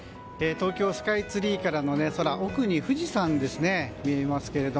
東京スカイツリーからの空奥に富士山が見えます。